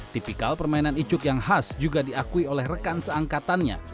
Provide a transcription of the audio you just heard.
tipikal permainan icuk yang khas juga diakui oleh rekan seangkatannya